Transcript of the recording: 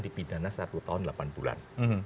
dipidana satu tahun delapan bulan